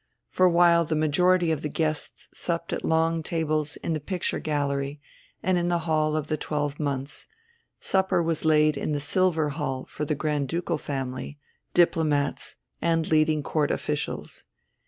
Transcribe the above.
For while the majority of the guests supped at long tables in the picture gallery and in the Hall of the Twelve Months, supper was laid in the Silver Hall for the Grand Ducal family, diplomats, and leading Court officials.